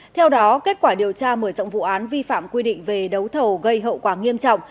theo đó kết quả điều tra mở rộng vụ án vi phạm quy định về đấu thầu gây hậu quả nghiêm trọng